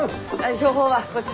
標本はこっちに。